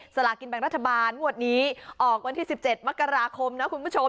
ลากินแบ่งรัฐบาลงวดนี้ออกวันที่๑๗มกราคมนะคุณผู้ชม